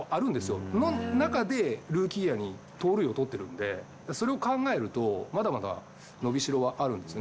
その中でルーキーイヤーに盗塁王を取っているので、それを考えるとまだまだ伸びしろはあるんですね。